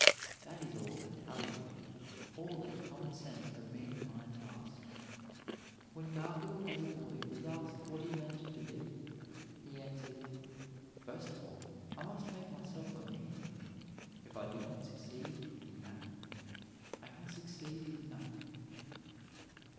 That is all that Talleyrand, all that the common sense of mankind asks. When Garfield as a boy was asked what he meant to be he answered: "First of all, I must make myself a man; if I do not succeed in that, I can succeed in nothing."